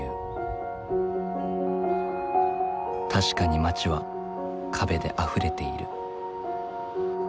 確かに街は壁であふれている。